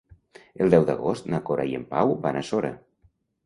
El deu d'agost na Cora i en Pau van a Sora.